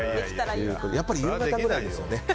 やっぱり夕方くらいですよね。